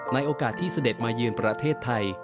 ในโอกาสที่เสด็จมายืนประเทศไทย